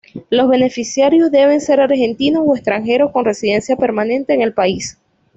Los beneficiarios deben ser argentinos o extranjeros con residencia permanente en el país.